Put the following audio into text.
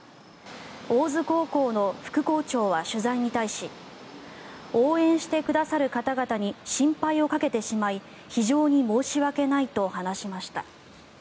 大津高校の副校長は取材に対し応援してくださる方々に心配をかけてしまい非常に申し訳ないと話しました。